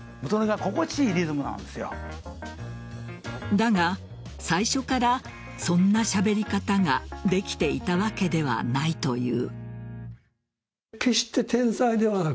だが最初からそんなしゃべり方ができていたわけではないという。